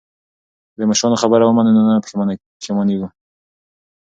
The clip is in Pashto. که د مشرانو خبره ومنو نو نه پښیمانیږو.